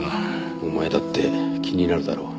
お前だって気になるだろう？